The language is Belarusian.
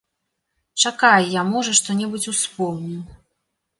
Чакай, я, можа, што-небудзь успомню.